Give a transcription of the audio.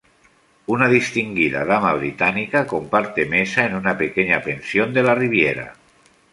Una distinguida dama británica comparte mesa en una pequeña pensión de la Riviera.